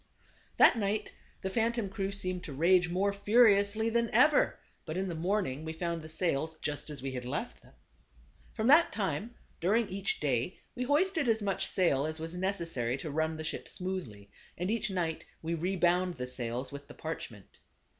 That night the phantom crew seemed to rage more furiously than ever, but in the morning we found the sails just as we had left them. From that time, during each day we hoisted as much sail as was necessary to run the ship smoothly, and each night we rebound the sails with the parchment.